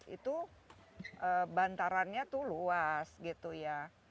itu bantarannya itu luas gitu ya